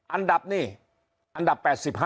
อันดับนี่อันดับ๘๕